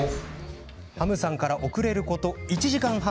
ハムさんから遅れること１時間半。